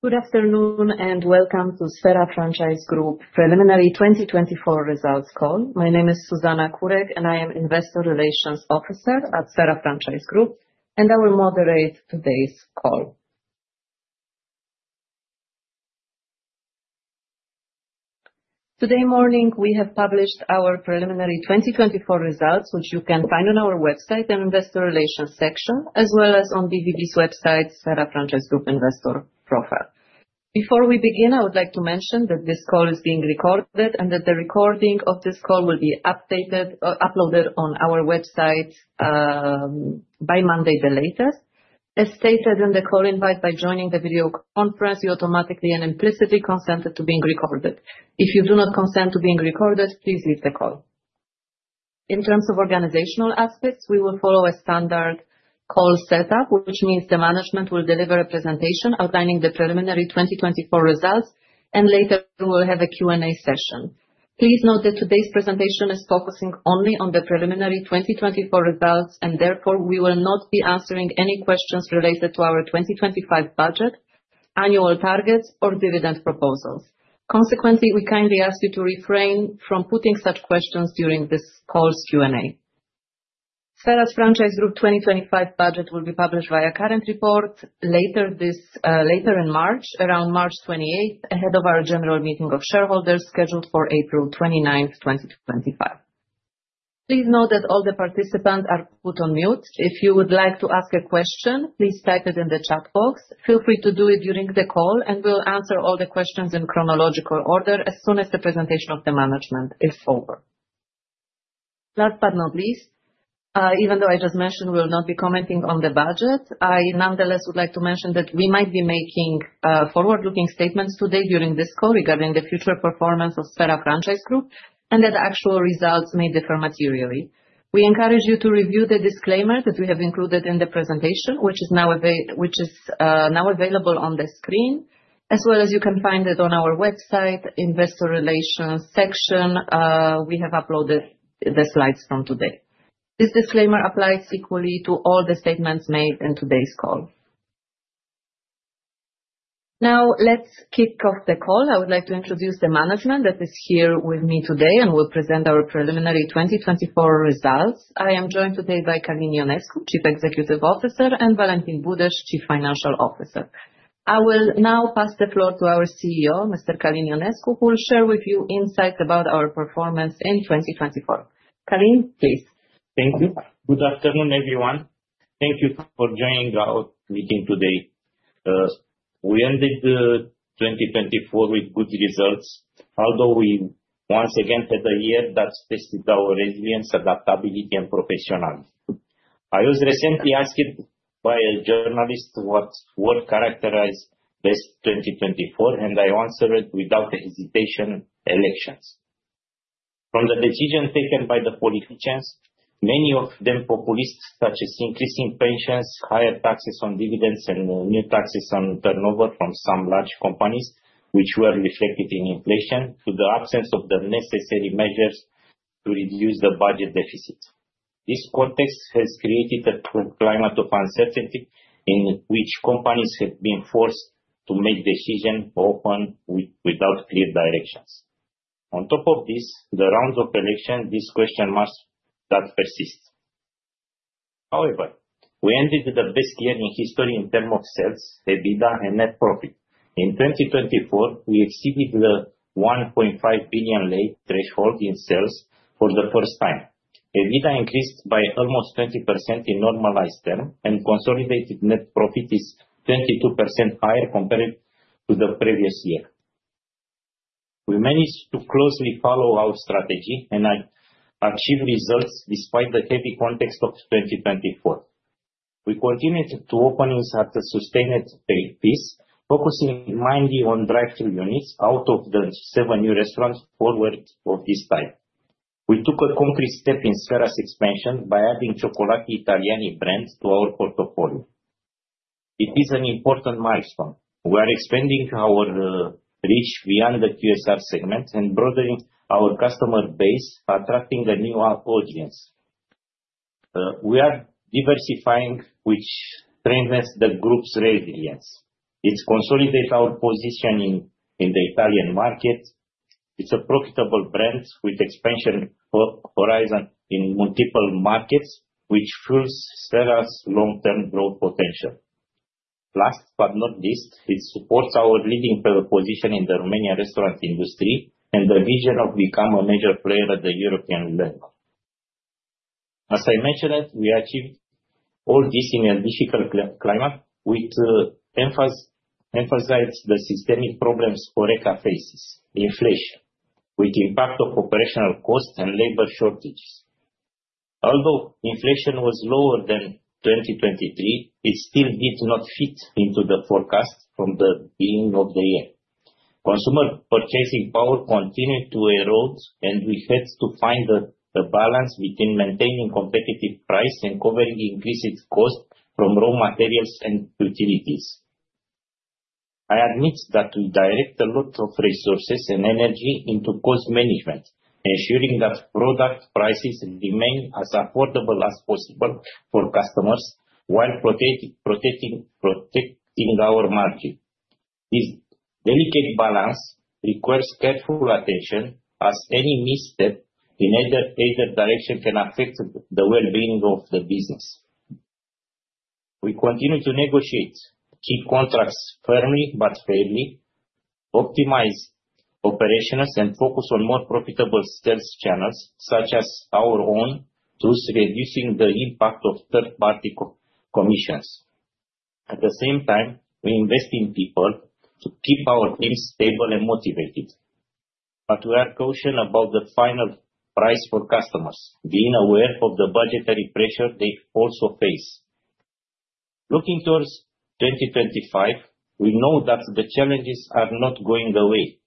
Good afternoon and welcome to Sphera Franchise Group Preliminary 2024 Results Call. My name is Zuzanna Kurek, and I am Investor Relations Officer at Sphera Franchise Group, and I will moderate today's call. Today morning, we have published our preliminary 2024 pesults, which you can find on our website and Investor Relations section, as well as on BVB's website, Sphera Franchise Group Investor profile. Before we begin, I would like to mention that this call is being recorded and that the recording of this call will be uploaded on our website by Monday the latest. As stated in the call invite, by joining the video conference, you automatically and implicitly consented to being recorded. If you do not consent to being recorded, please leave the call. In terms of organizational aspects, we will follow a standard call setup, which means the management will deliver a presentation outlining the preliminary 2024 results, and later we will have a Q&A session. Please note that today's presentation is focusing only on the preliminary 2024 results, and therefore we will not be answering any questions related to our 2025 budget, annual targets, or dividend proposals. Consequently, we kindly ask you to refrain from putting such questions during this call's Q&A. Sphera Franchise Group 2025 budget will be published via current report later in March, around March 28th, ahead of our general meeting of shareholders scheduled for April 29th, 2025. Please note that all the participants are put on mute. If you would like to ask a question, please type it in the chat box. Feel free to do it during the call, and we'll answer all the questions in chronological order as soon as the presentation of the management is over. Last but not least, even though I just mentioned we will not be commenting on the budget, I nonetheless would like to mention that we might be making forward-looking statements today during this call regarding the future performance of Sphera Franchise Group and that actual results may differ materially. We encourage you to review the disclaimer that we have included in the presentation, which is now available on the screen, as well as you can find it on our website, Investor Relations section. We have uploaded the slides from today. This disclaimer applies equally to all the statements made in today's call. Now, let's kick off the call. I would like to introduce the management that is here with me today and will present our preliminary 2024 results. I am joined today by Călin Ionescu, Chief Executive Officer, and Valentin Budeș, Chief Financial Officer. I will now pass the floor to our CEO, Mr. Călin Ionescu, who will share with you insights about our performance in 2024. Călin, please. Thank you. Good afternoon, everyone. Thank you for joining our meeting today. We ended 2024 with good results, although we once again had a year that tested our resilience, adaptability, and professionalism. I was recently asked by a journalist what characterized best 2024, and I answered without hesitation, elections. From the decisions taken by the politicians, many of them populist, such as increasing pensions, higher taxes on dividends, and new taxes on turnover from some large companies, which were reflected in inflation, to the absence of the necessary measures to reduce the budget deficit. This context has created a climate of uncertainty in which companies have been forced to make decisions often without clear directions. On top of this, the rounds of elections, these question marks that persist. However, we ended the best year in history in terms of sales, EBITDA, and net profit. In 2024, we exceeded the RON 1.5 billion threshold in sales for the first time. EBITDA increased by almost 20% in normalized terms, and consolidated net profit is 22% higher compared to the previous year. We managed to closely follow our strategy and achieve results despite the heavy context of 2024. We continued to open with a sustained pace, focusing mainly on drive-thru units out of the seven new restaurants forward of this time. We took a concrete step in Sphera's expansion by adding Cioccolatitaliani brand to our portfolio. It is an important milestone. We are expanding our reach beyond the QSR segment and broadening our customer base, attracting a new audience. We are diversifying, which strengthens the group's resilience. It consolidates our position in the Italian market. It's a profitable brand with expansion horizon in multiple markets, which fuels Sphera's long-term growth potential. Last but not least, it supports our leading position in the Romanian restaurant industry and the vision of becoming a major player at the European level. As I mentioned, we achieved all this in a difficult climate, which emphasized the systemic problems [Kurek] faces: inflation, with the impact of operational costs and labor shortages. Although inflation was lower than 2023, it still did not fit into the forecast from the beginning of the year. Consumer purchasing power continued to erode, and we had to find the balance between maintaining competitive prices and covering increasing costs from raw materials and utilities. I admit that we directed a lot of resources and energy into cost management, ensuring that product prices remain as affordable as possible for customers while protecting our margin. This delicate balance requires careful attention, as any misstep in either direction can affect the well-being of the business. We continue to negotiate, keep contracts firmly but fairly, optimize operations, and focus on more profitable sales channels, such as our own, thus reducing the impact of third-party commissions. At the same time, we invest in people to keep our teams stable and motivated. We are cautious about the final price for customers, being aware of the budgetary pressure they also face. Looking towards 2025, we know that the challenges are not going away.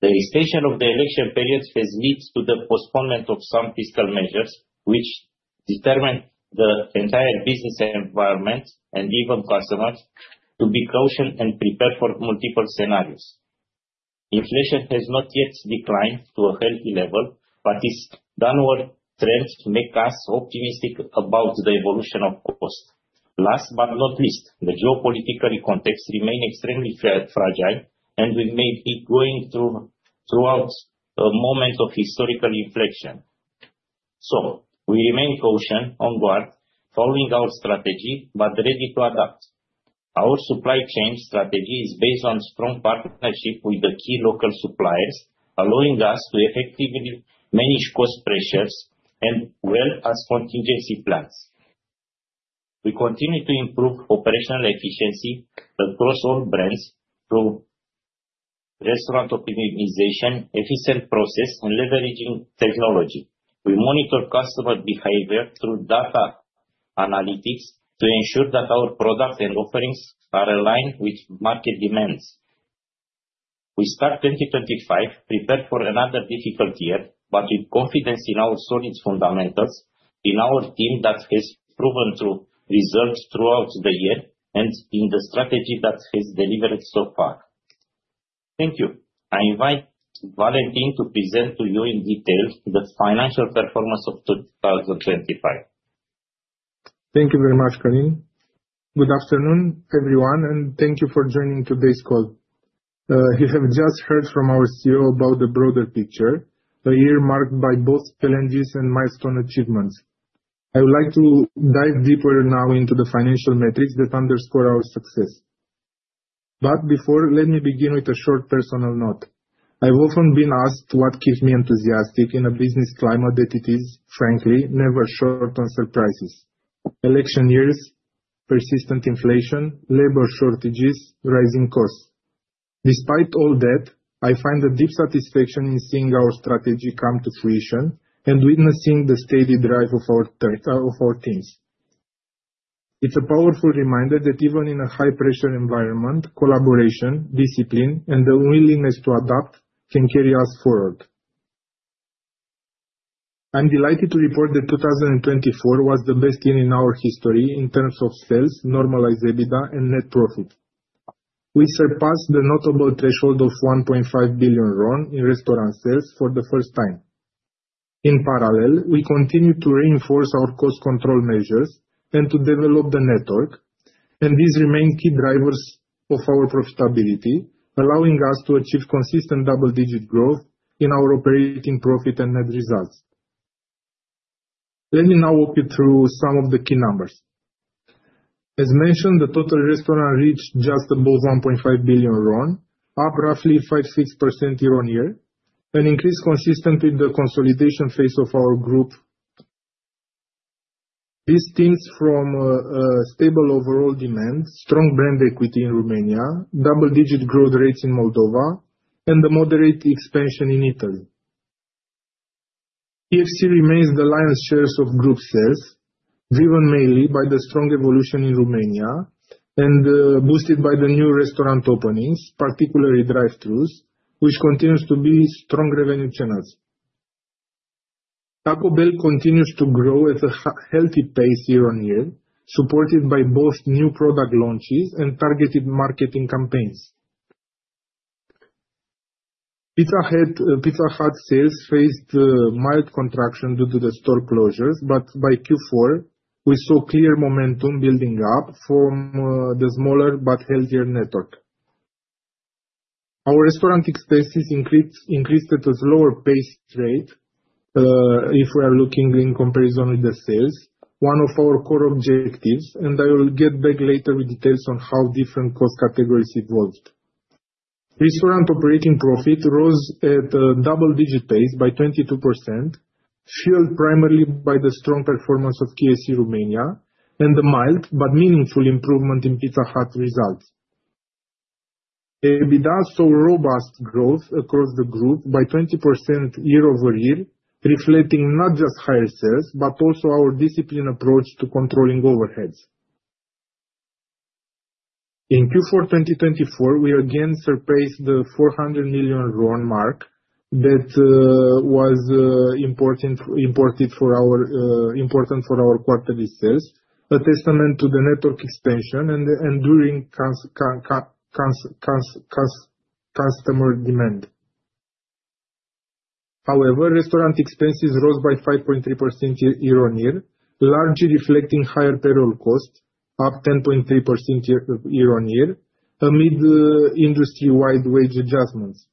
The extension of the election period has led to the postponement of some fiscal measures, which determined the entire business environment and even customers to be cautious and prepare for multiple scenarios. Inflation has not yet declined to a healthy level, but its downward trend makes us optimistic about the evolution of costs. Last but not least, the geopolitical context remains extremely fragile, and we may be going through a moment of historical inflection. We remain cautious, on guard, following our strategy, but ready to adapt. Our supply chain strategy is based on strong partnerships with the key local suppliers, allowing us to effectively manage cost pressures as well as contingency plans. We continue to improve operational efficiency across all brands through restaurant optimization, efficient process, and leveraging technology. We monitor customer behavior through data analytics to ensure that our products and offerings are aligned with market demands. We start 2025 prepared for another difficult year, but with confidence in our solid fundamentals, in our team that has proven through results throughout the year, and in the strategy that has delivered so far. Thank you. I invite Valentin to present to you in detail the financial performance of 2025. Thank you very much, Călin. Good afternoon, everyone, and thank you for joining today's call. You have just heard from our CEO about the broader picture, a year marked by both challenges and milestone achievements. I would like to dive deeper now into the financial metrics that underscore our success. Before that, let me begin with a short personal note. I've often been asked what keeps me enthusiastic in a business climate that is, frankly, never short on surprises: election years, persistent inflation, labor shortages, rising costs. Despite all that, I find a deep satisfaction in seeing our strategy come to fruition and witnessing the steady drive of our teams. It's a powerful reminder that even in a high-pressure environment, collaboration, discipline, and the willingness to adapt can carry us forward. I'm delighted to report that 2024 was the best year in our history in terms of sales, normalized EBITDA, and net profit. We surpassed the notable threshold of RON 1.5 billion in restaurant sales for the first time. In parallel, we continue to reinforce our cost control measures and to develop the network, and these remain key drivers of our profitability, allowing us to achieve consistent double-digit growth in our operating profit and net results. Let me now walk you through some of the key numbers. As mentioned, the total restaurant sales reached just above RON 1.5 billion, up roughly 5.6% year-on-year, an increase consistent with the consolidation phase of our group. This stems from stable overall demand, strong brand equity in Romania, double-digit growth rates in Moldova, and the moderate expansion in Italy. KFC remains the lion's share of group sales, driven mainly by the strong evolution in Romania and boosted by the new restaurant openings, particularly drive-thrus, which continue to be strong revenue channels. Taco Bell continues to grow at a healthy pace year-on-year, supported by both new product launches and targeted marketing campaigns. Pizza Hut sales faced mild contraction due to the store closures, but by Q4, we saw clear momentum building up from the smaller but healthier network. Our restaurant expenses increased at a slower pace rate if we are looking in comparison with the sales, one of our core objectives, and I will get back later with details on how different cost categories evolved. Restaurant operating profit rose at a double-digit pace by 22%, fueled primarily by the strong performance of KFC Romania and the mild but meaningful improvement in Pizza Hut results. EBITDA saw robust growth across the group by 20% year-over-year, reflecting not just higher sales, but also our disciplined approach to controlling overheads. In Q4 2024, we again surpassed the RON 400 million mark that was important for our quarterly sales, a testament to the network expansion and enduring customer demand. However, restaurant expenses rose by 5.3% year-on-year, largely reflecting higher payroll costs, up 10.3% year-on-year, amid industry-wide wage adjustments.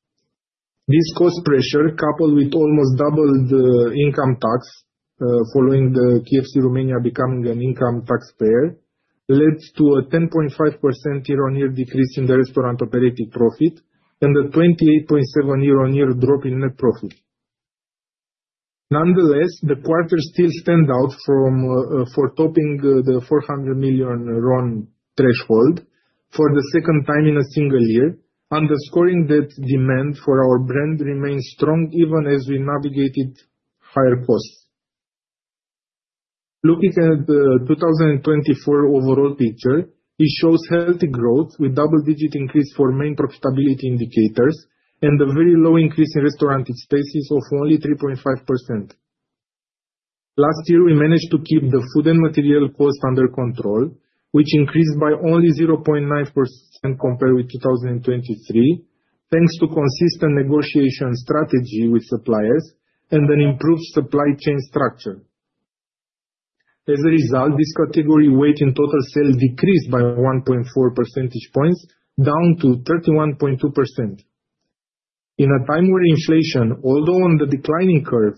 This cost pressure, coupled with almost doubled income tax following KFC Romania becoming an income taxpayer, led to a 10.5% year-on-year decrease in the restaurant operating profit and a 28.7% year-on-year drop in net profit. Nonetheless, the quarter still stands out for topping the RON 400 million threshold for the second time in a single year, underscoring that demand for our brand remains strong even as we navigated higher costs. Looking at the 2024 overall picture, it shows healthy growth with double-digit increase for main profitability indicators and a very low increase in restaurant expenses of only 3.5%. Last year, we managed to keep the food and material costs under control, which increased by only 0.9% compared with 2023, thanks to consistent negotiation strategy with suppliers and an improved supply chain structure. As a result, this category weight in total sales decreased by 1.4 percentage points, down to 31.2%. In a time where inflation, although on the declining curve,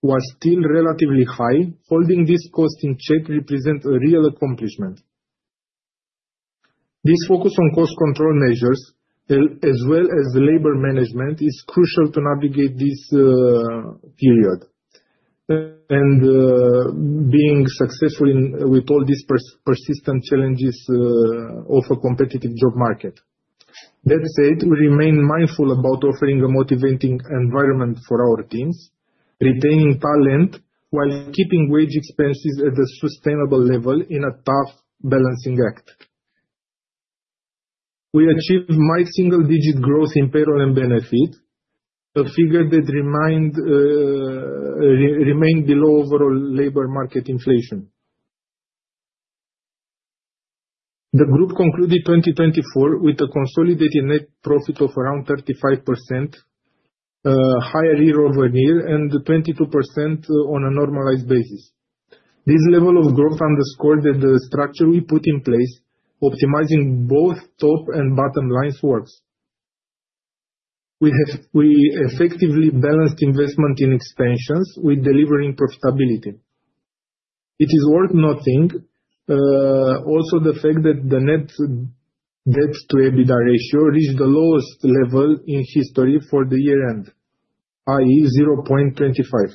was still relatively high, holding this cost in check represents a real accomplishment. This focus on cost control measures, as well as labor management, is crucial to navigate this period and being successful with all these persistent challenges of a competitive job market. That said, we remain mindful about offering a motivating environment for our teams, retaining talent while keeping wage expenses at a sustainable level in a tough balancing act. We achieved mild single-digit growth in payroll and benefit, a figure that remained below overall labor market inflation. The group concluded 2024 with a consolidated net profit of around 35% higher year-over-year and 22% on a normalized basis. This level of growth underscored that the structure we put in place, optimizing both top and bottom lines, works. We effectively balanced investment in expansions with delivering profitability. It is worth noting also the fact that the net debt-to-EBITDA ratio reached the lowest level in history for the year end, i.e., 0.25.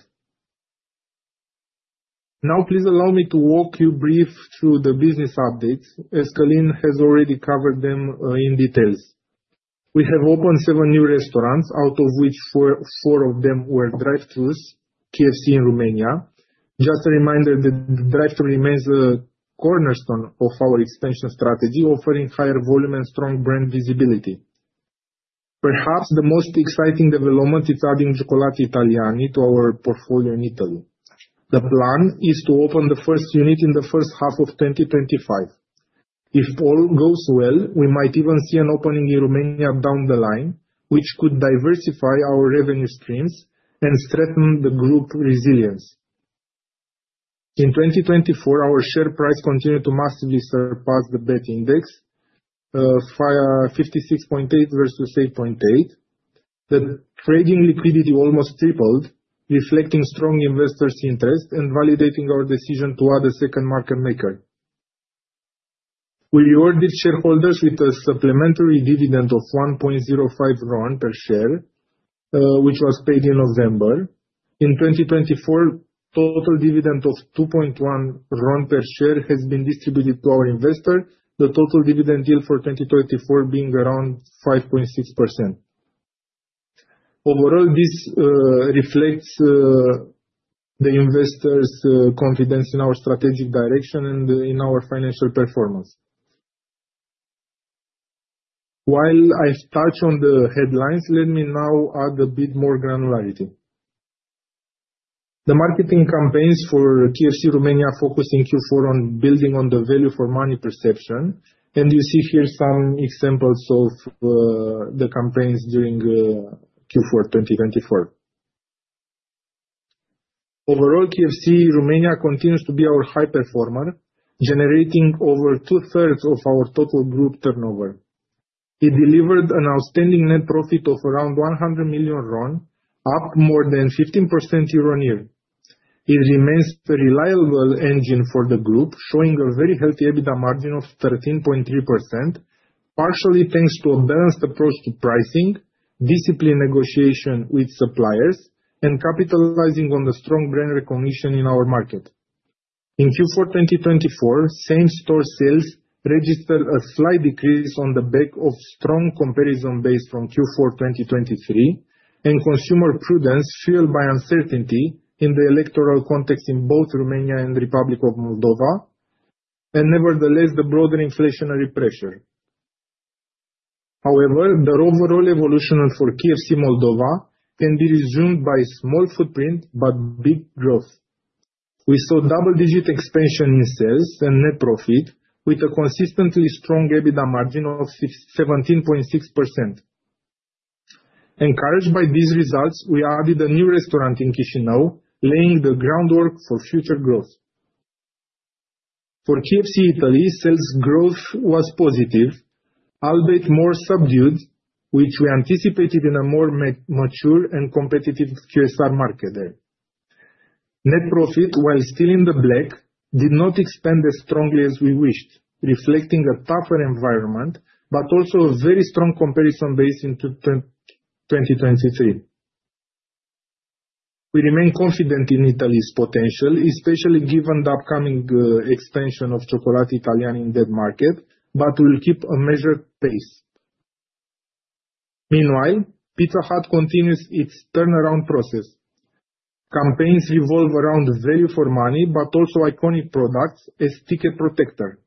Now, please allow me to walk you briefly through the business updates, as Călin has already covered them in detail. We have opened seven new restaurants, out of which four of them were drive-thrus, KFC in Romania. Just a reminder that drive-thru remains a cornerstone of our expansion strategy, offering higher volume and strong brand visibility. Perhaps the most exciting development is adding Cioccolatitaliani to our portfolio in Italy. The plan is to open the first unit in the first half of 2025. If all goes well, we might even see an opening in Romania down the line, which could diversify our revenue streams and strengthen the group's resilience. In 2024, our share price continued to massively surpass the BET index, 56.8% versus 8.8%. The trading liquidity almost tripled, reflecting strong investors' interest and validating our decision to add a second market maker. We rewarded shareholders with a supplementary dividend of RON 1.05 per share, which was paid in November. In 2024, total dividend of RON 2.1 per share has been distributed to our investor, the total dividend yield for 2024 being around 5.6%. Overall, this reflects the investors' confidence in our strategic direction and in our financial performance. While I've touched on the headlines, let me now add a bit more granularity. The marketing campaigns for KFC Romania focus in Q4 on building on the value-for-money perception, and you see here some examples of the campaigns during Q4 2024. Overall, KFC Romania continues to be our high performer, generating over 2/3 of our total group turnover. It delivered an outstanding net profit of around RON 100 million, up more than 15% year-on-year. It remains a reliable engine for the group, showing a very healthy EBITDA margin of 13.3%, partially thanks to a balanced approach to pricing, disciplined negotiation with suppliers, and capitalizing on the strong brand recognition in our market. In Q4 2024, same-store sales registered a slight decrease on the back of strong comparison base from Q4 2023 and consumer prudence fueled by uncertainty in the electoral context in both Romania and the Republic of Moldova, and nevertheless, the broader inflationary pressure. However, the overall evolution for KFC Moldova can be resumed by small footprint but big growth. We saw double-digit expansion in sales and net profit with a consistently strong EBITDA margin of 17.6%. Encouraged by these results, we added a new restaurant in Chișinău, laying the groundwork for future growth. For KFC Italy, sales growth was positive, albeit more subdued, which we anticipated in a more mature and competitive QSR market there. Net profit, while still in the black, did not expand as strongly as we wished, reflecting a tougher environment, but also a very strong comparison base in 2023. We remain confident in Italy's potential, especially given the upcoming expansion of Cioccolatitaliani in that market, but we'll keep a measured pace. Meanwhile, Pizza Hut continues its turnaround process. Campaigns revolve around value-for-money, but also iconic products as ticket protector.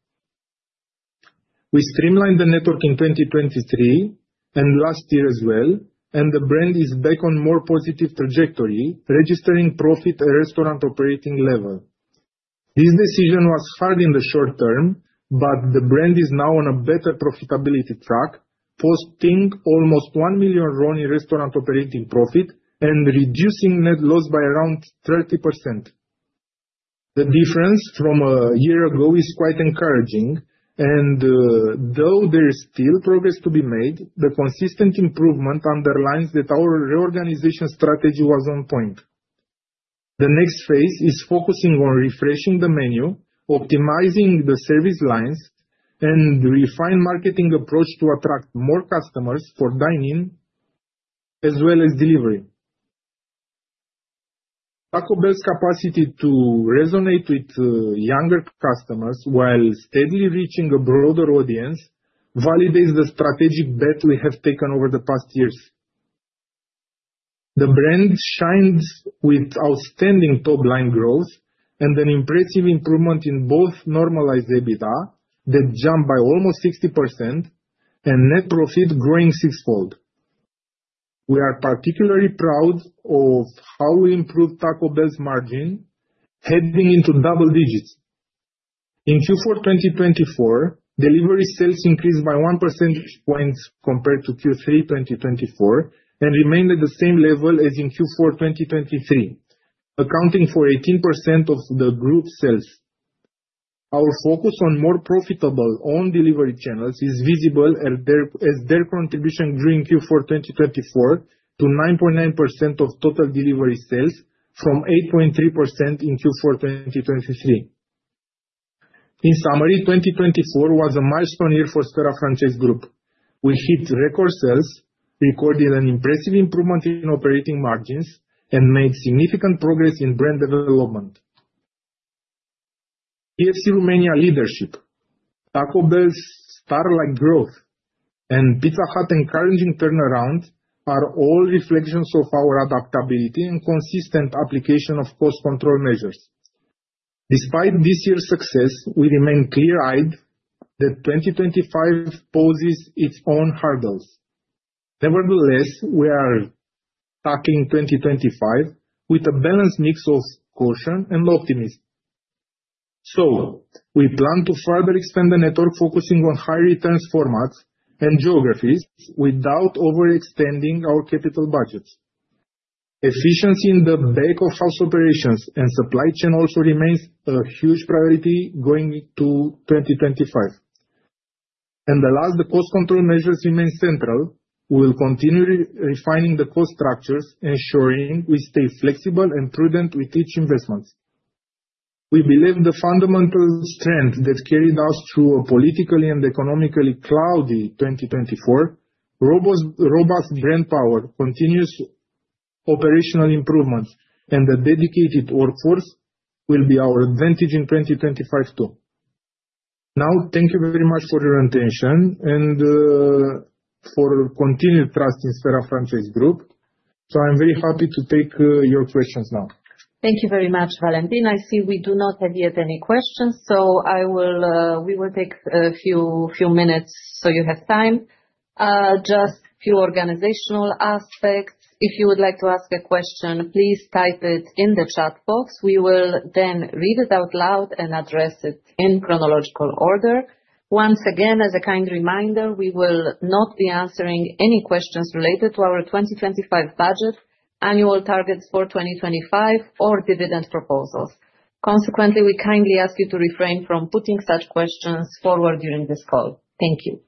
We streamlined the network in 2023 and last year as well, and the brand is back on a more positive trajectory, registering profit at restaurant operating level. This decision was hard in the short term, but the brand is now on a better profitability track, posting almost RON 1 million in restaurant operating profit and reducing net loss by around 30%. The difference from a year ago is quite encouraging, and though there is still progress to be made, the consistent improvement underlines that our reorganization strategy was on point. The next phase is focusing on refreshing the menu, optimizing the service lines, and a refined marketing approach to attract more customers for dining as well as delivery. Taco Bell's capacity to resonate with younger customers while steadily reaching a broader audience validates the strategic bet we have taken over the past years. The brand shines with outstanding topline growth and an impressive improvement in both normalized EBITDA that jumped by almost 60% and net profit growing sixfold. We are particularly proud of how we improved Taco Bell's margin, heading into double digits. In Q4 2024, delivery sales increased by 1 percentage point compared to Q3 2024 and remained at the same level as in Q4 2023, accounting for 18% of the group sales. Our focus on more profitable owned delivery channels is visible as their contribution during Q4 2024 to 9.9% of total delivery sales, from 8.3% in Q4 2023. In summary, 2024 was a milestone year for Sphera Franchise Group. We hit record sales, recorded an impressive improvement in operating margins, and made significant progress in brand development. KFC Romania leadership, Taco Bell's star-like growth, and Pizza Hut's encouraging turnaround are all reflections of our adaptability and consistent application of cost control measures. Despite this year's success, we remain clear-eyed that 2025 poses its own hurdles. Nevertheless, we are tackling 2025 with a balanced mix of caution and optimism. We plan to further expand the network, focusing on high-return formats and geographies without overextending our capital budgets. Efficiency in the back-of-house operations and supply chain also remains a huge priority going into 2025. Last, the cost control measures remain central. We will continue refining the cost structures, ensuring we stay flexible and prudent with each investment. We believe the fundamental strength that carried us through a politically and economically cloudy 2024, robust brand power, continuous operational improvements, and a dedicated workforce will be our advantage in 2025 too. Thank you very much for your attention and for continued trust in Sphera Franchise Group. I am very happy to take your questions now. Thank you very much, Valentin. I see we do not have yet any questions, so we will take a few minutes so you have time. Just a few organizational aspects. If you would like to ask a question, please type it in the chat box. We will then read it out loud and address it in chronological order. Once again, as a kind reminder, we will not be answering any questions related to our 2025 budget, annual targets for 2025, or dividend proposals. Consequently, we kindly ask you to refrain from putting such questions forward during this call. Thank you.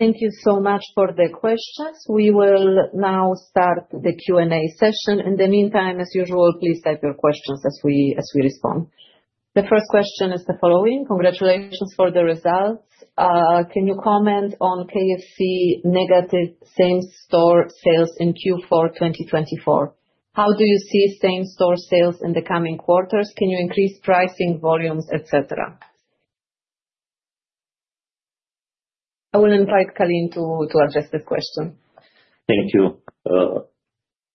Thank you so much for the questions. We will now start the Q&A session. In the meantime, as usual, please type your questions as we respond. The first question is the following. Congratulations for the results. Can you comment on KFC's negative same-store sales in Q4 2024? How do you see same-store sales in the coming quarters? Can you increase pricing, volumes, et cetera? I will invite Călin to address this question. Thank you.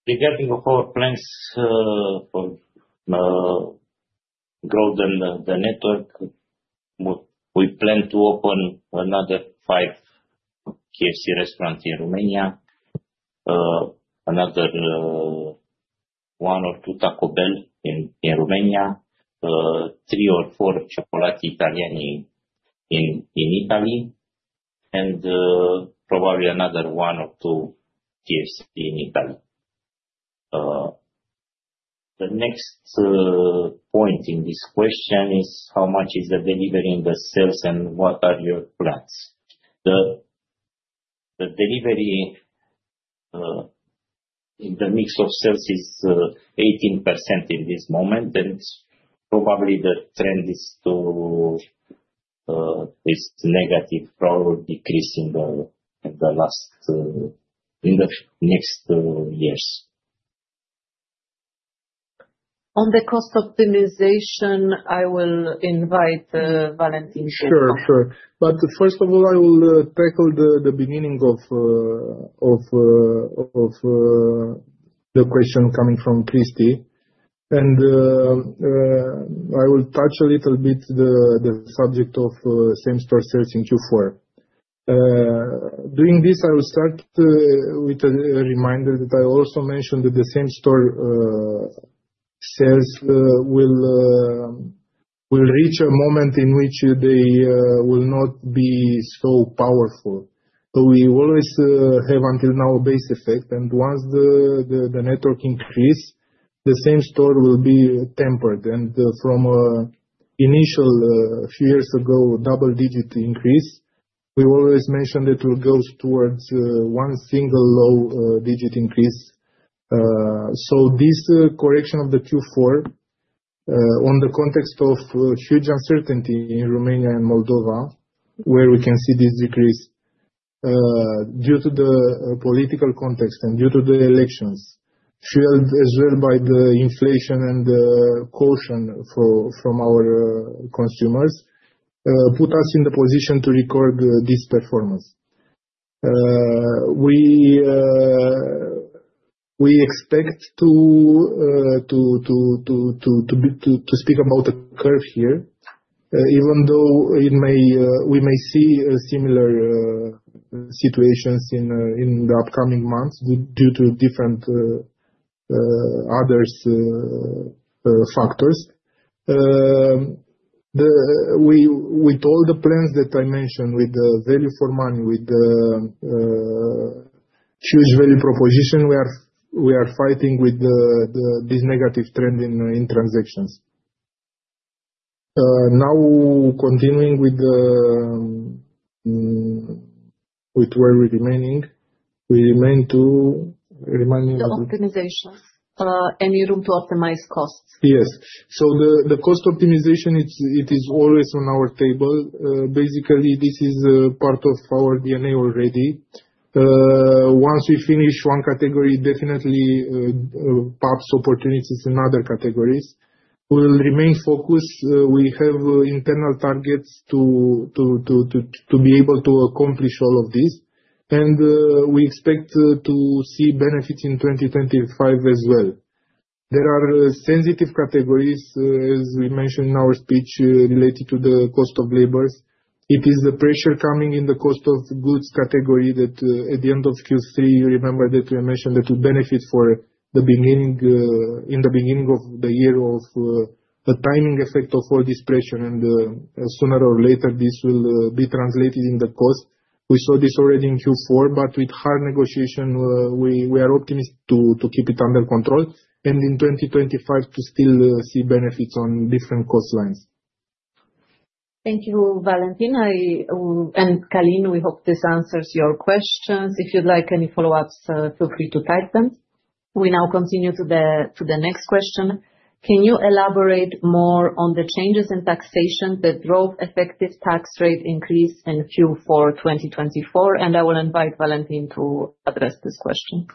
Regarding our plans for growth and the network, we plan to open another five KFC restaurants in Romania, another one or two Taco Bell in Romania, three or four Cioccolatitaliani in Italy, and probably another one or two KFC in Italy. The next point in this question is how much is the delivery in the sales and what are your plans. The delivery in the mix of sales is 18% in this moment, and probably the trend is negative, probably decreasing in the next years. On the cost optimization, I will invite Valentin to speak. Sure, sure. First of all, I will tackle the beginning of the question coming from Kristi, and I will touch a little bit on the subject of same-store sales in Q4. Doing this, I will start with a reminder that I also mentioned that the same-store sales will reach a moment in which they will not be so powerful. We always have until now a base effect, and once the network increases, the same-store will be tempered. From an initial few years ago, double-digit increase, we always mentioned that it will go towards one single low-digit increase. This correction of the Q4, in the context of huge uncertainty in Romania and Moldova, where we can see this decrease due to the political context and due to the elections, fueled as well by the inflation and caution from our consumers, put us in the position to record this performance. We expect to speak about the curve here, even though we may see similar situations in the upcoming months due to different other factors. With all the plans that I mentioned, with the value-for-money, with the huge value proposition, we are fighting with this negative trend in transactions. Now, continuing with where we remained, we remain to remind me of the cost. Still optimization. Any room to optimize costs? Yes. So the cost optimization, it is always on our table. Basically, this is part of our DNA already. Once we finish one category, definitely pops opportunities in other categories. We will remain focused. We have internal targets to be able to accomplish all of these, and we expect to see benefits in 2025 as well. There are sensitive categories, as we mentioned in our speech, related to the cost of labor. It is the pressure coming in the cost of goods category that, at the end of Q3, you remember that we mentioned that we benefit in the beginning of the year of a timing effect of all this pressure, and sooner or later, this will be translated in the cost. We saw this already in Q4, but with hard negotiation, we are optimistic to keep it under control and in 2025 to still see benefits on different cost lines. Thank you, Valentin. Thank you, Calin. We hope this answers your questions. If you'd like any follow-ups, feel free to type them. We now continue to the next question. Can you elaborate more on the changes in taxation that drove effective tax rate increase in Q4 2024? I will invite Valentin to address this question.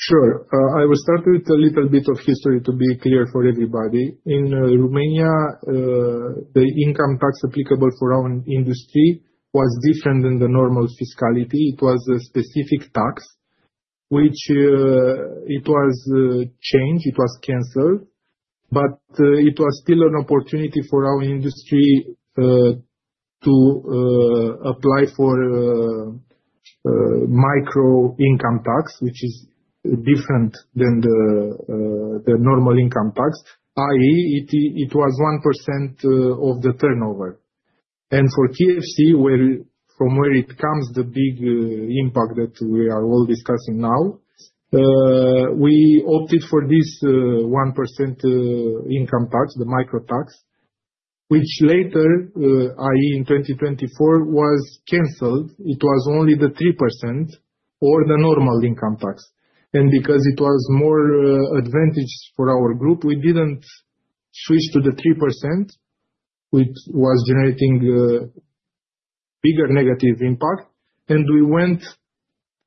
Sure. I will start with a little bit of history to be clear for everybody. In Romania, the income tax applicable for our industry was different than the normal fiscality. It was a specific tax, which it was changed. It was canceled, but it was still an opportunity for our industry to apply for micro-income tax, which is different than the normal income tax, i.e., it was 1% of the turnover. For KFC, from where it comes, the big impact that we are all discussing now, we opted for this 1% income tax, the micro tax, which later, i.e., in 2024, was canceled. It was only the 3% or the normal income tax. Because it was more advantageous for our group, we did not switch to the 3%, which was generating a bigger negative impact. We went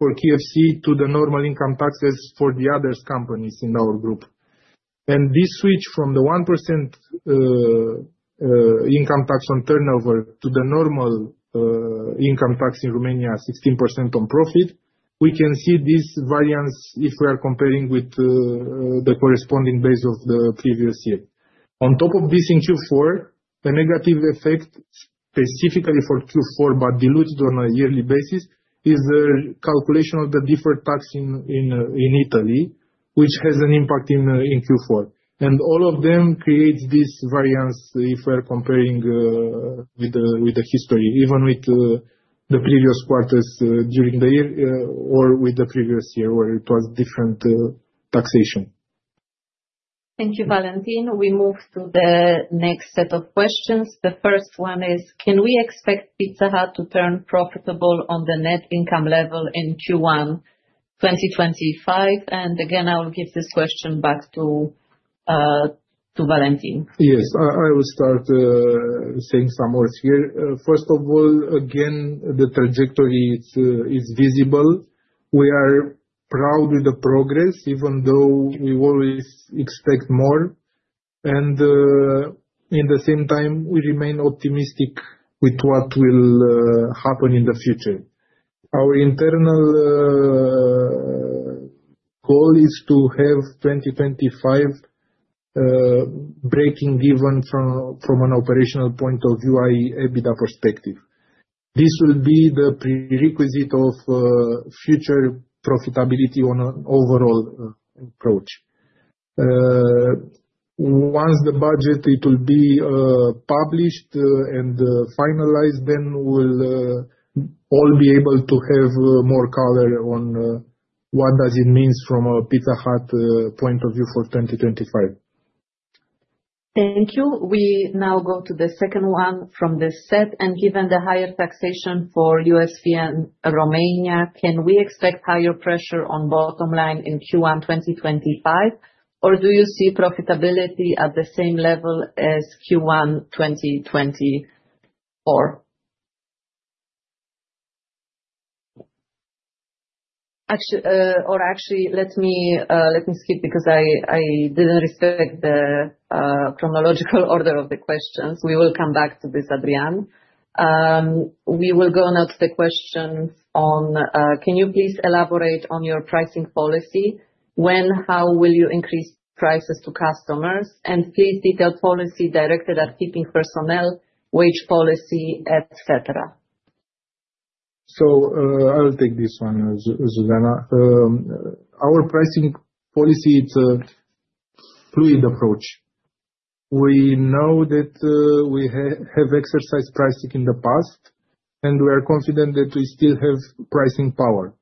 for KFC to the normal income taxes for the other companies in our group. This switch from the 1% income tax on turnover to the normal income tax in Romania, 16% on profit, we can see these variance if we are comparing with the corresponding base of the previous year. On top of this, in Q4, a negative effect specifically for Q4, but diluted on a yearly basis, is the calculation of the deferred tax in Italy, which has an impact in Q4. All of them create these variance if we are comparing with the history, even with the previous quarters during the year or with the previous year where it was different taxation. Thank you, Valentin. We move to the next set of questions. The first one is, can we expect Pizza Hut to turn profitable on the net income level in Q1 2025? Again, I will give this question back to Valentin. Yes, I will start saying some words here. First of all, again, the trajectory is visible. We are proud with the progress, even though we always expect more. In the same time, we remain optimistic with what will happen in the future. Our internal goal is to have 2025 breaking even from an operational point of view, i.e., EBITDA perspective. This will be the prerequisite of future profitability on an overall approach. Once the budget will be published and finalized, then we'll all be able to have more color on what does it mean from a Pizza Hut point of view for 2025. Thank you. We now go to the second one from this set. Given the higher taxation for USFN Romania, can we expect higher pressure on bottom line in Q1 2025? Do you see profitability at the same level as Q1 2024? Actually, let me skip because I didn't respect the chronological order of the questions. We will come back to this, Adrian. We will go now to the questions on, can you please elaborate on your pricing policy? When, how will you increase prices to customers? Please detail policy directed at keeping personnel, wage policy, etc. I'll take this one, Zuzanna. Our pricing policy, it's a fluid approach. We know that we have exercised pricing in the past, and we are confident that we still have pricing power.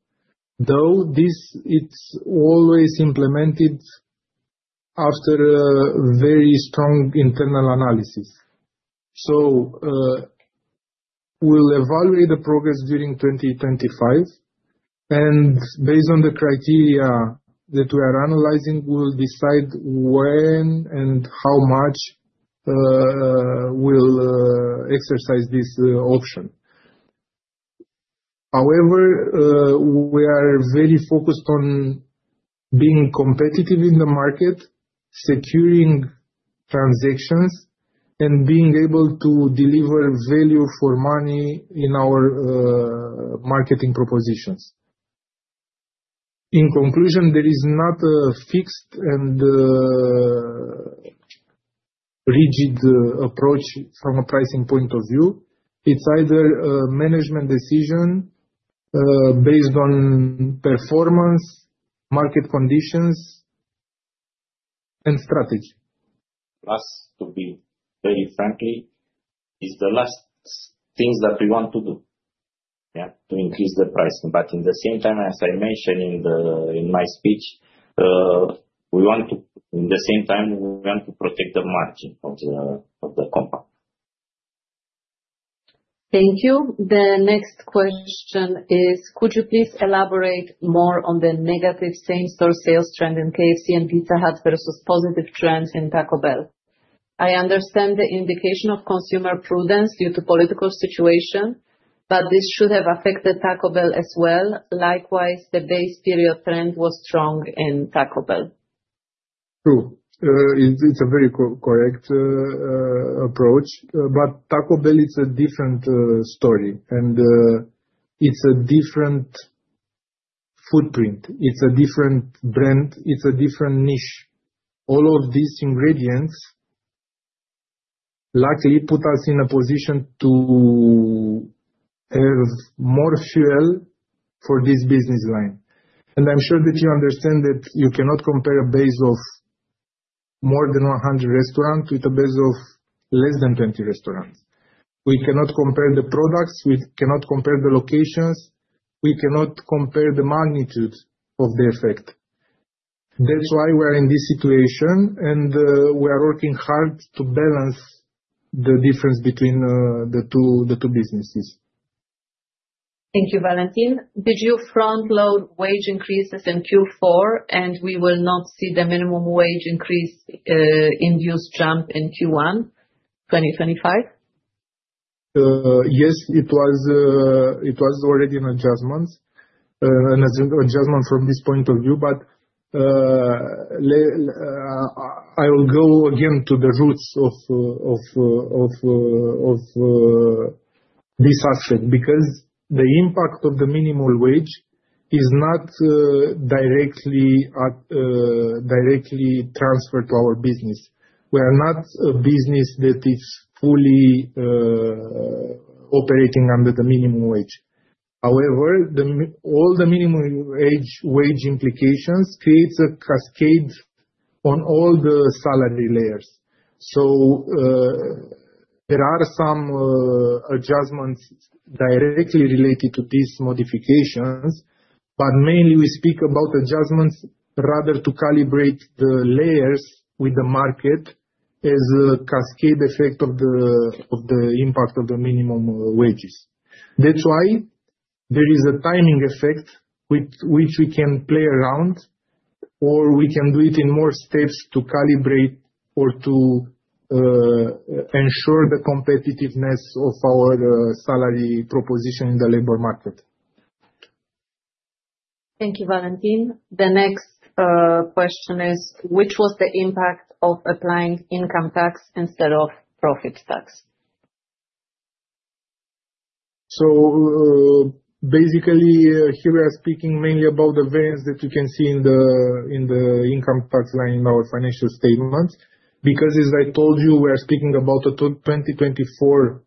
Though this, it's always implemented after very strong internal analysis. We will evaluate the progress during 2025. Based on the criteria that we are analyzing, we will decide when and how much we will exercise this option. However, we are very focused on being competitive in the market, securing transactions, and being able to deliver value for money in our marketing propositions. In conclusion, there is not a fixed and rigid approach from a pricing point of view. It is either a management decision based on performance, market conditions, and strategy. Plus, to be very frank, it is the last thing that we want to do, yeah, to increase the pricing. In the same time, as I mentioned in my speech, we want to, in the same time, we want to protect the margin of the company. Thank you. The next question is, could you please elaborate more on the negative same-store sales trend in KFC and Pizza Hut versus positive trends in Taco Bell? I understand the indication of consumer prudence due to political situation, but this should have affected Taco Bell as well. Likewise, the base period trend was strong in Taco Bell. True. It's a very correct approach. Taco Bell, it's a different story. It's a different footprint. It's a different brand. It's a different niche. All of these ingredients likely put us in a position to have more fuel for this business line. I'm sure that you understand that you cannot compare a base of more than 100 restaurants with a base of less than 20 restaurants. We cannot compare the products. We cannot compare the locations. We cannot compare the magnitude of the effect. That's why we are in this situation, and we are working hard to balance the difference between the two businesses. Thank you, Valentin. Did you front-load wage increases in Q4, and we will not see the minimum wage increase [induced] jump in Q1 2025? Yes, it was already an adjustment, an adjustment from this point of view. I will go again to the roots of this aspect because the impact of the minimum wage is not directly transferred to our business. We are not a business that is fully operating under the minimum wage. However, all the minimum wage implications create a cascade on all the salary layers. There are some adjustments directly related to these modifications, but mainly we speak about adjustments rather to calibrate the layers with the market as a cascade effect of the impact of the minimum wages. That is why there is a timing effect with which we can play around, or we can do it in more steps to calibrate or to ensure the competitiveness of our salary proposition in the labor market. Thank you, Valentin. The next question is, which was the impact of applying income tax instead of profit tax? Basically, here we are speaking mainly about the variance that you can see in the income tax line in our financial statements. Because, as I told you, we are speaking about 2024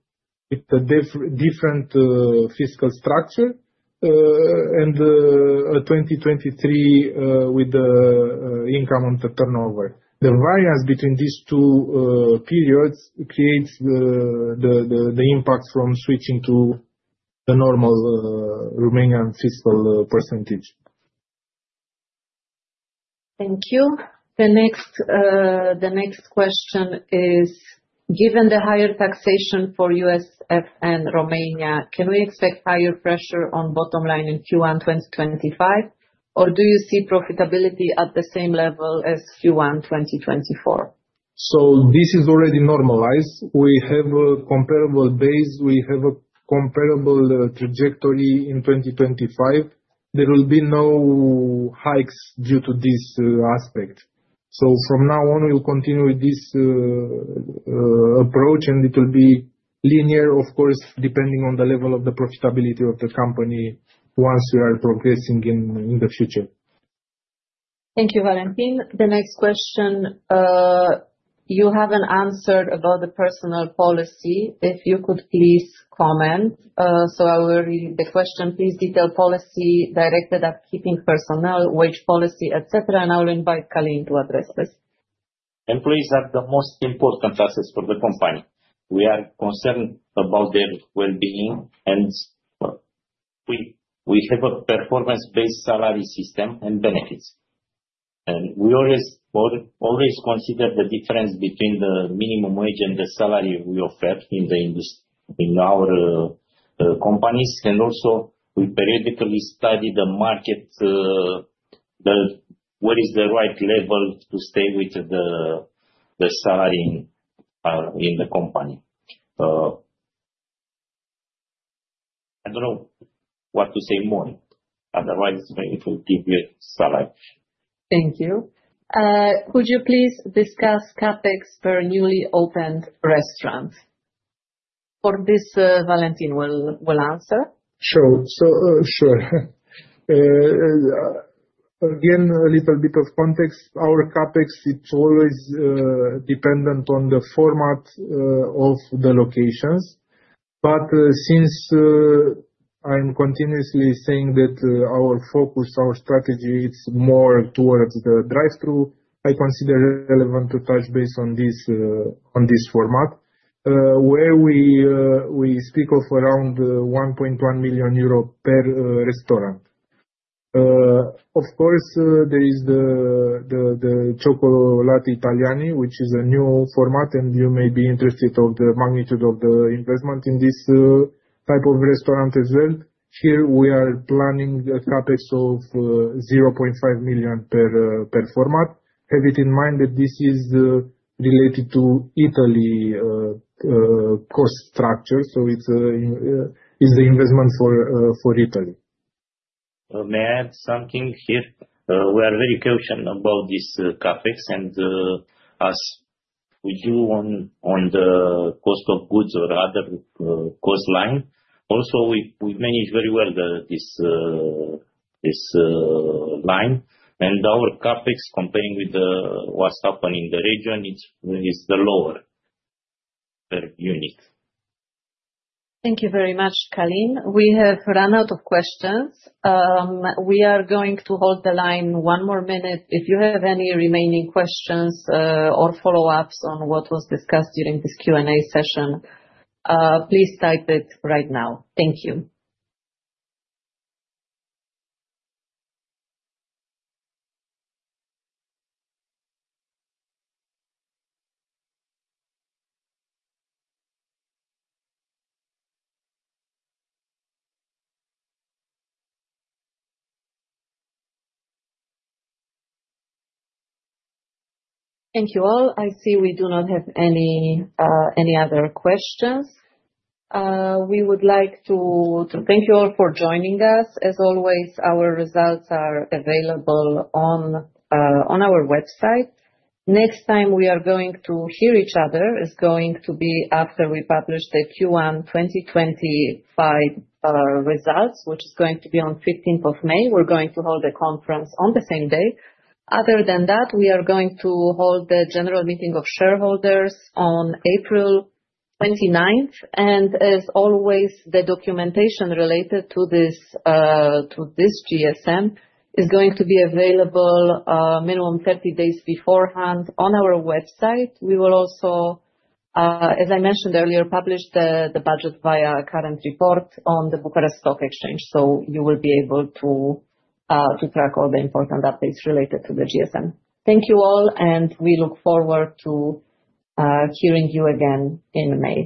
with a different fiscal structure and 2023 with the income on the turnover. The variance between these two periods creates the impact from switching to the normal Romanian fiscal percentage. Thank you. The next question is, given the higher taxation for USFN Romania, can we expect higher pressure on bottom line in Q1 2025? Do you see profitability at the same level as Q1 2024? This is already normalized. We have a comparable base. We have a comparable trajectory in 2025. There will be no hikes due to this aspect. From now on, we will continue with this approach, and it will be linear, of course, depending on the level of the profitability of the company once we are progressing in the future. Thank you, Valentin. The next question, you have not answered about the personal policy. If you could please comment. I will read the question. Please detail policy directed at keeping personnel, wage policy, et cetera. I will invite Călin to address this. Employees are the most important assets for the company. We are concerned about their well-being, and we have a performance-based salary system and benefits. We always consider the difference between the minimum wage and the salary we offer in our companies. We periodically study the market, where is the right level to stay with the salary in the company. I do not know what to say more. Otherwise, it will give you a salary. Thank you. Could you please discuss CapEx for newly opened restaurants? For this, Valentin will answer. Sure. Sure. Again, a little bit of context. Our CapEx, it's always dependent on the format of the locations. Since I'm continuously saying that our focus, our strategy, it's more towards the drive-thru, I consider it relevant to touch base on this format, where we speak of around 1.1 million euro per restaurant. Of course, there is the Cioccolatitaliani, which is a new format, and you may be interested in the magnitude of the investment in this type of restaurant as well. Here, we are planning a CapEx of 0.5 million per format. Have it in mind that this is related to Italy cost structure. It is the investment for Italy. May I add something here? We are very cautious about this CapEx and us with you on the cost of goods or other cost line. Also, we manage very well this line. And our CapEx, comparing with what's happening in the region, it's the lower per unit. Thank you very much, Călin. We have run out of questions. We are going to hold the line one more minute. If you have any remaining questions or follow-ups on what was discussed during this Q&A session, please type it right now. Thank you. Thank you all. I see we do not have any other questions. We would like to thank you all for joining us. As always, our results are available on our website. Next time we are going to hear each other is going to be after we publish the Q1 2025 results, which is going to be on 15th of May. We're going to hold the conference on the same day. Other than that, we are going to hold the general meeting of shareholders on April 29th. As always, the documentation related to this GSM is going to be available minimum 30 days beforehand on our website. We will also, as I mentioned earlier, publish the budget via a current report on the Bucharest Stock Exchange. You will be able to track all the important updates related to the GSM. Thank you all, and we look forward to hearing you again in May.